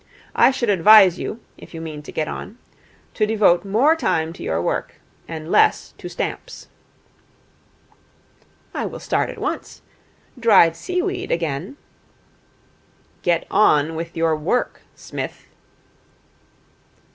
'I should advise you, if you mean to get on, to devote more time to your work and less to stamps.' 'I will start at once. Dried seaweed, again ' 'Get on with your work, Smith.'